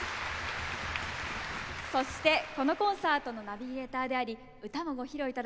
そしてこのコンサートのナビゲーターであり歌もご披露いただきます